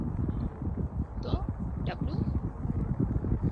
তো, ডাবলু?